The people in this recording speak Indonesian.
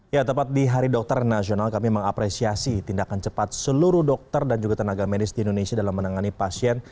ya tepat di hari dokter nasional kami mengapresiasi tindakan cepat seluruh dokter dan juga tenaga medis di indonesia dalam menangani pasien